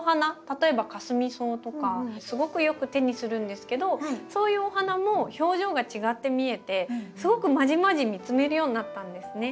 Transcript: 例えばカスミソウとかすごくよく手にするんですけどそういうお花も表情が違って見えてすごくまじまじ見つめるようになったんですね。